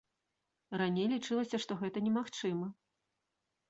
Раней лічылася, што гэта немагчыма.